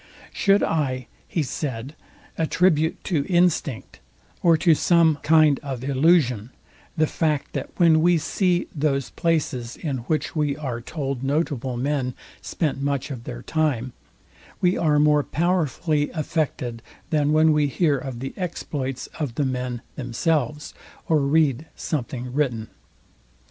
{"Should I, he said, "attribute to instinct or to some kind of illusion the fact that when we see those places in which we are told notable men spent much of their time, we are more powerfully affected than when we hear of the exploits of the men themselves or read something written?